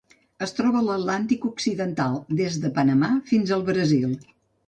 Es troba a l'Atlàntic occidental: des de Panamà fins al Brasil.